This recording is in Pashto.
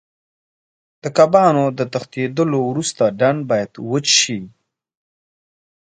د کبانو د تښتېدلو وروسته ډنډ باید وچ شي.